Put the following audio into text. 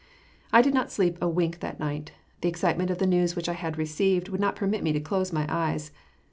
I did not sleep a wink that night. The excitement of the news which I had received would not permit me to close my eyes.